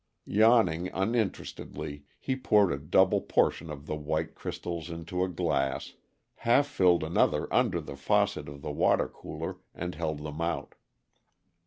Yawning uninterestedly, he poured a double portion of the white crystals into a glass, half filled another under the faucet of the water cooler, and held them out.